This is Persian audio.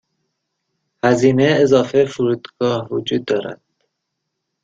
هزینه اضافه فرودگاه وجود دارد.